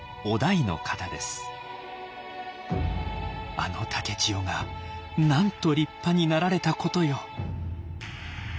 「あの竹千代がなんと立派になられたことよ」。